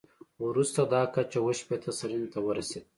وروسته دا کچه اووه شپېته سلنې ته ورسېده.